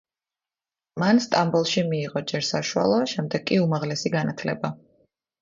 მან სტამბოლში მიიღო ჯერ საშუალო, შემდეგ კი უმაღლესი განათლება.